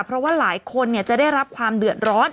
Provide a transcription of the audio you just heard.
เพราะว่าหลายคนจะได้รับความเดือดร้อน